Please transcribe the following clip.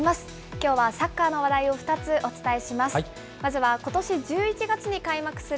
きょうはサッカーの話題を２つお伝えします。